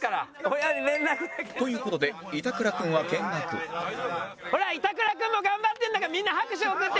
という事で板倉君は見学ほら板倉君も頑張ってるんだからみんな拍手送って！